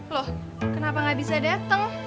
loh kenapa gak bisa datang